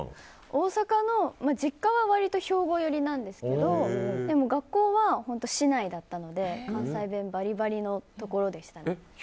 大阪の実家は割と兵庫寄りなんですがでも学校は市内だったので関西弁バリバリのところでした。